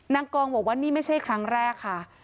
นางกองบอกว่านี่ไม่ใช่ครั้งแรกค่ะ